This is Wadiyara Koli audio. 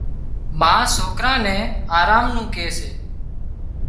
ما سوڪران نين آرام نُون ڪي سي